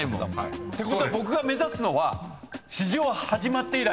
てことは僕が目指すのは史上始まって以来。